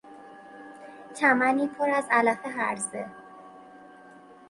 چمنی پر از علف هرزه